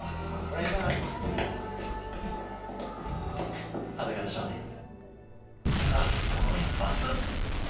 ラストの１発！